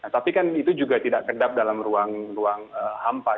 tapi kan itu juga tidak kedap dalam ruang hampa